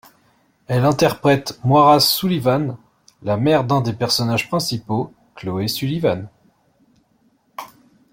Elle interprète Moira Sullivan, la mère d'un des personnages principaux, Chloé Sullivan.